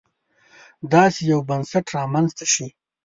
داسې یو بنسټ رامنځته شي.